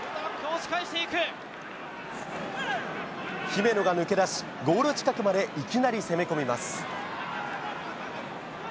姫野が抜け出し、ゴール近くまでいきなり攻め込みます。